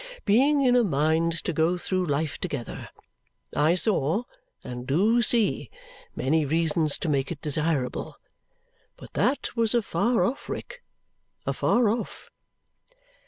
being in a mind to go through life together. I saw, and do see, many reasons to make it desirable. But that was afar off, Rick, afar off!"